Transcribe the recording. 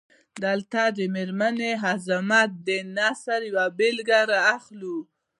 دلته د میرمن عظمت د نثر یوه بیلګه را اخلو.